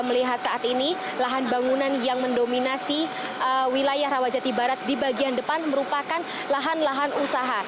melihat saat ini lahan bangunan yang mendominasi wilayah rawajati barat di bagian depan merupakan lahan lahan usaha